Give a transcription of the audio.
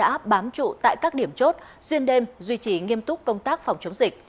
các quán tỉnh lâm đồng đã bám trụ tại các điểm chốt xuyên đêm duy trì nghiêm túc công tác phòng chống dịch